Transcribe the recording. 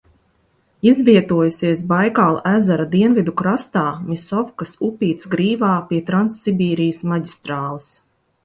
Izvietojusies Baikāla ezera dienvidu krastā Misovkas upītes grīvā pie Transsibīrijas maģistrāles.